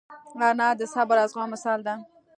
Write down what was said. انا د صبر او زغم مثال ده